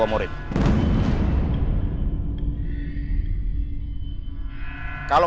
aku mau berbicara sama orang tua murid